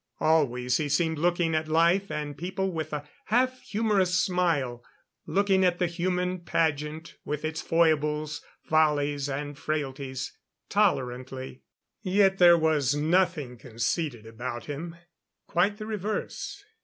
Always he seemed looking at life and people with a half humorous smile looking at the human pageant with its foibles, follies and frailties tolerantly. Yet there was nothing conceited about him. Quite the reverse.